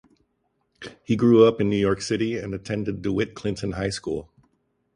He grew up in New York City and attended DeWitt Clinton High School.